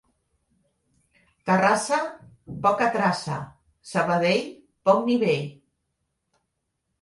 Terrassa poca traça, Sabadell poc nivell.